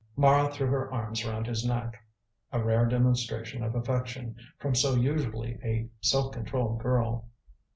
Mara threw her arms round his neck, a rare demonstration of affection from so usually a self controlled girl.